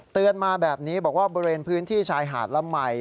เตือนมาแบบนี้บอกว่าบริเวณพื้นที่ชายหาดละไหม